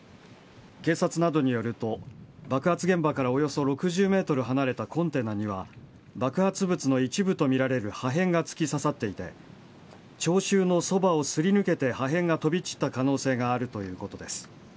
警察などによると爆発現場からおよそ６０ｍ離れたコンテナには爆発物の一部とみられる破片が突き刺さっていて聴衆のそばをすり抜けた破片が飛び散った可能性があるということです。